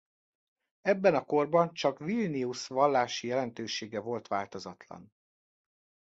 Ebben a korban csak Vilnius vallási jelentősége volt változatlan.